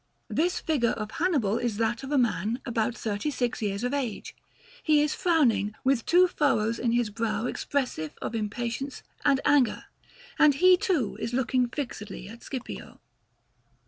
This figure of Hannibal is that of a man about thirty six years of age; he is frowning, with two furrows in his brow expressive of impatience and anger, and he, too, is looking fixedly at Scipio.